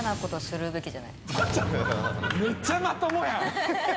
めっちゃまともやん！